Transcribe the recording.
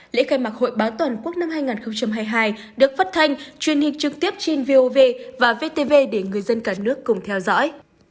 lễ khai mạc hội báo toàn quốc năm hai nghìn hai mươi hai được phát thanh truyền hình trực tiếp trên vov và vtv để người dân cả nước cùng theo dõi